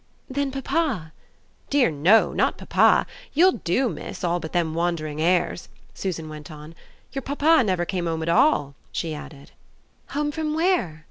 "Then papa!" "Dear no not papa. You'll do, miss, all but them wandering 'airs," Susan went on. "Your papa never came 'ome at all," she added. "Home from where?"